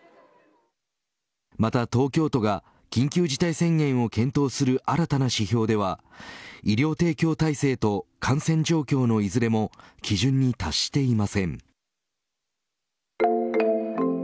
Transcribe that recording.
また東京都が緊急事態宣言を検討する新たな指標では医療提供体制と感染状況のいずれも基準に達していません。